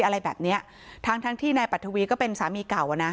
อะไรแบบเนี้ยทั้งทั้งที่นายปัทวีก็เป็นสามีเก่าอ่ะนะ